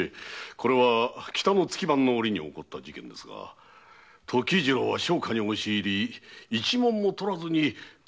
これは北の月番の折におこった事件ですが時次郎は商家に押し入り一文も盗らずに捕らえられたとか。